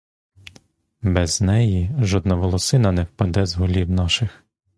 Без неї жодна волосина не впаде з голів наших!